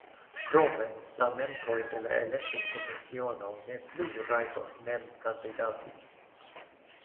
Krome la membroj de la elektokomisiono ne plu rajtos mem kandidati.